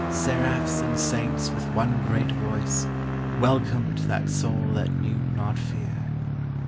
Seraphs and saints with one great voice Welcomed that soul that knew not fear.